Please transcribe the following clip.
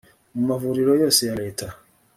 mu mavuriro yose ya leta